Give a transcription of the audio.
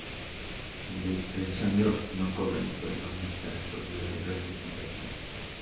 D'Alessandro no cobra el sueldo ni gastos de representación.